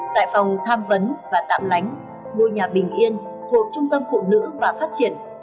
tại phòng tham vấn và tạm lánh ngôi nhà bình yên thuộc trung tâm phụ nữ và phát triển